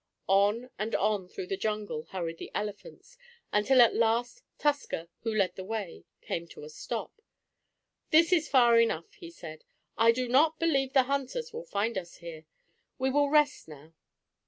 On and on through the jungle hurried the elephants, until at last Tusker, who led the way, came to a stop. "This is far enough," he said. "I do not believe the hunters will find us here. We will rest now."